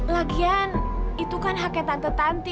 lagian itu kan haknya tante tanti